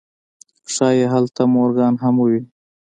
ښايي هلته مورګان هم وويني.